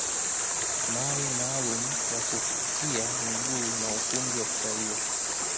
Mawe maalumu ya kufutia miguu na ukumbi wa kuswalia